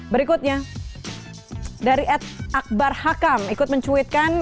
berikutnya dari ed akbar hakam ikut mencuitkan